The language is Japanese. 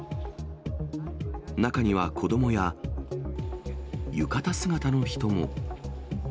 中には子どもや、浴衣姿の人も。